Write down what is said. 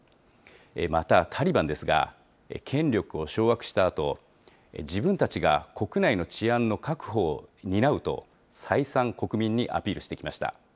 また、タリバンですが、権力を掌握したあと、自分たちが国内の治安の確保を担うと、再三国民にアピールしてきました。